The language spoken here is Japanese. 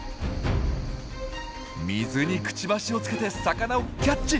水にクチバシをつけて魚をキャッチ！